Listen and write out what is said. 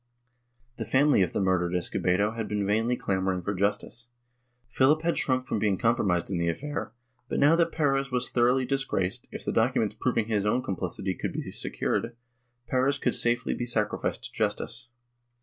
The family of the murdered Escobedo had been vainly clamoring for justice. Philip had shrunk from being com promised in the affair, but now that Perez was thoroughly dis graced, if the documents proving his own complicity could be secured, Perez could safely be sacrificed to justice.